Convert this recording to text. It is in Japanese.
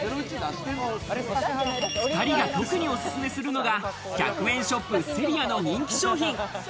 ２人が特におすすめするのが１００円ショップ・セリアの人気商品。